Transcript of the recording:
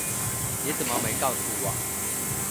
你怎么没告诉我